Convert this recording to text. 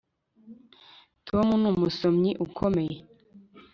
Tom numusomyi ukomeye